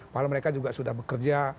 padahal mereka juga sudah bekerja